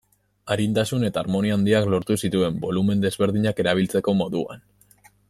Arintasun eta harmonia handiak lortu zituen bolumen desberdinak erabiltzeko moduan.